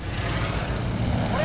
「これ！」